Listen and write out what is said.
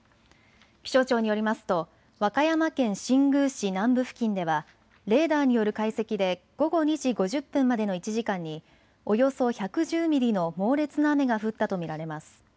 気象庁によりますと和歌山県新宮市南部付近ではレーダーによる解析で午後２時５０分までの１時間におよそ１１０ミリの猛烈な雨が降ったと見られます。